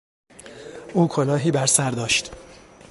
او کلاهی بر سر داشت.